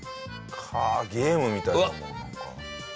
ゲームみたいだもんなんか。